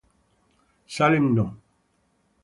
Salem No.